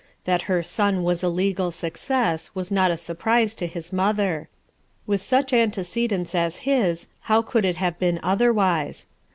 That her son was a legal success was not a sur prise to his mother. With such antecedents as his how could it have been otherwise